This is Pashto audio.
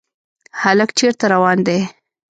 هلک چېرته روان دی ؟